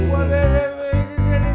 wah deh deh deh